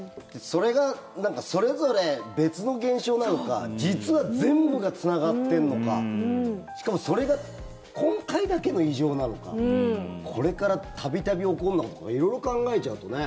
それがそれぞれ別の現象なのか実は全部がつながってるのかしかも、それが今回だけの異常なのかこれから度々起こるのかとか色々考えちゃうとね。